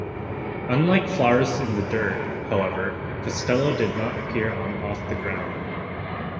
Unlike "Flowers in the Dirt", however, Costello did not appear on "Off the Ground".